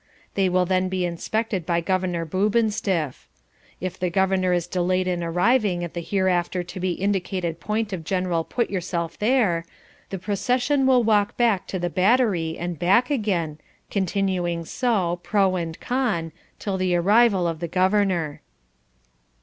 They will then be inspected by Governor Boobenstiff. If the Governor is delayed in arriving at the hereafter to be indicated point of general put yourself there, the procession will walk back to the Battery and back again, continuing so, pro and con, till the arrival of the Governor.